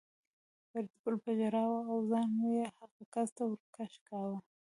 فریدګل په ژړا و او ځان یې هغه کس ته ور کش کاوه